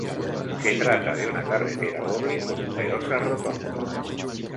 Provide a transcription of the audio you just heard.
Se trata de una carretera doble con numerosas rotondas.